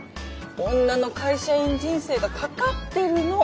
女の会社員人生がかかってるの。